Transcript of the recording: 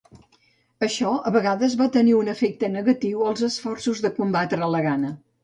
Això a vegades va tenir un efecte negatiu als esforços de combatre la gana.